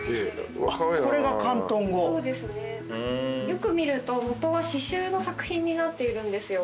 よく見ると元は刺しゅうの作品になっているんですよ。